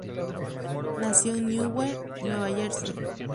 Nació en Newark, Nueva Jersey.